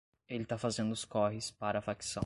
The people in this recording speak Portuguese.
Ele tá fazendo os corres para a facção